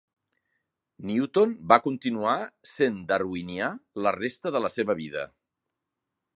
Newton va continuar sent darwinià la resta de la seva vida.